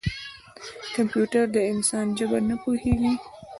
کمپیوټر د انسان ژبه نه پوهېږي.